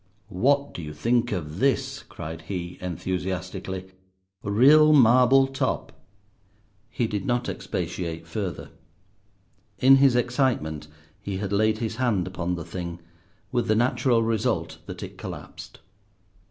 "What do you think of this?" cried he enthusiastically, "real marble top—" He did not expatiate further. In his excitement he had laid his hand upon the thing, with the natural result that it collapsed.